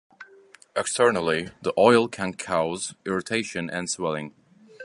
Externally, the oil can cause irritation and swelling.